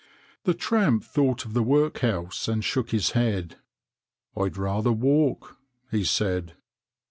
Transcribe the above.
The tramp thought of the workhouse and shook his head. " I'd rather walk," he said.